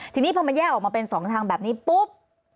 ทีนี้พอมันแยกออกมาเป็น๒ทางแบบนี้ปุ๊บ